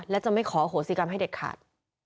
และจะไม่ขอโหสิกรรมให้เด็ดขาด